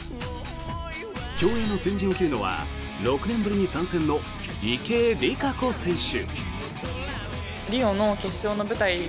競泳の先陣を切るのは６年ぶりに参戦の池江璃花子選手。